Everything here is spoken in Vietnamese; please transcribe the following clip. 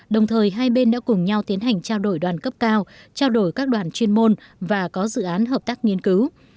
đồng thời hai bên đã cùng nhau tiến hành trao đổi đoàn cấp cao trao đổi các đoàn chuyên môn và có dự án hợp tác nghiên cứu